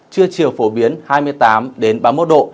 trưa chiều phổ biến hai mươi tám ba mươi một độ